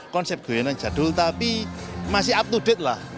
konsep goyangan jadul tapi masih up to date lah